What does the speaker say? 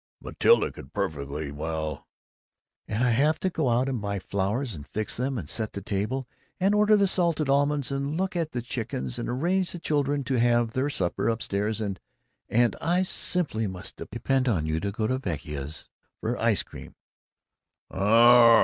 Matilda could perfectly well "" and I have to go out and buy the flowers, and fix them, and set the table, and order the salted almonds, and look at the chickens, and arrange for the children to have their supper up stairs and And I simply must depend on you to go to Vecchia's for the ice cream."